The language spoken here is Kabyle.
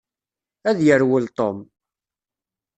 Ad yerwel Tom.